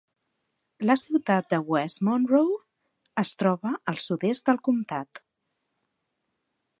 La ciutat de West Monroe es troba al sud-est del comtat.